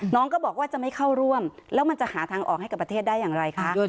น้องก็บอกว่าจะไม่เข้าร่วมแล้วมันจะหาทางออกให้กับประเทศได้อย่างไรคะ